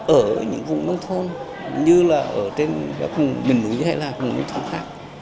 ở những vùng nông thôn như là ở trên khung biển núi hay là khung nông thôn khác